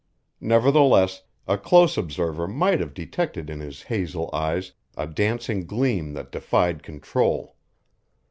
Nevertheless, a close observer might have detected in his hazel eyes a dancing gleam that defied control.